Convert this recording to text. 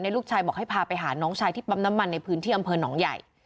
ลูกชายบอกให้พาไปหาน้องชายที่ปั๊มน้ำมันในพื้นที่อำเภอหนองใหญ่